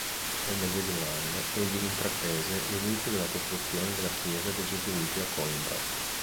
Nel medesimo anno egli intraprese l'inizio della costruzione della chiesa dei gesuiti a Coimbra.